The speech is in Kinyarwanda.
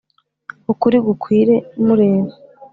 ukuri gukwire mureba